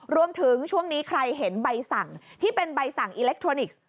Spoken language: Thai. รวมถึงช่วงนี้ใครเห็นใบสั่งที่เป็นใบสั่งอิเล็กทรอนิกส์